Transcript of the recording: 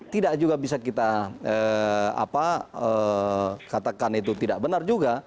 tidak juga bisa kita katakan itu tidak benar juga